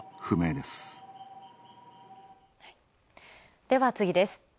では次です。